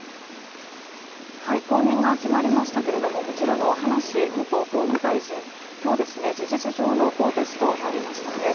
後任が決まりましたけどもこちらの葉梨元法務大臣、今日事実上の更迭となりましたね。